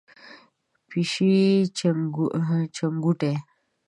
د پیشۍ چنګوټی،